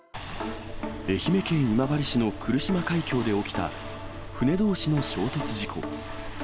愛媛県今治市の来島海峡で起きた船どうしの衝突事故。